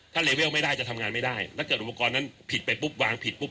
ถ้าเลเวลไม่ได้จะทำงานไม่ได้ถ้าเกิดอุปกรณ์นั้นผิดไปปุ๊บวางผิดปุ๊